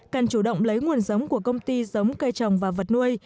cần chủ động lấy nguồn giống của công ty giống cây trồng và vật nuôi